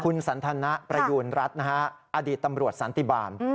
คุณสันทนะประยูณรัฐนะฮะอดีตตำรวจสันติบาล